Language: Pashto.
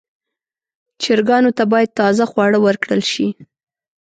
چرګانو ته باید تازه خواړه ورکړل شي.